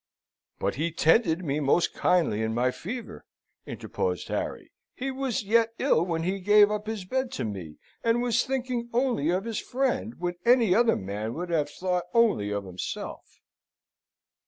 "But he tended me most kindly in my fever," interposed Harry. "He was yet ill when he gave up his bed to me, and was thinking only of his friend, when any other man would have thought only of himself."